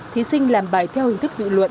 thí sinh làm bài theo hình thức tự luận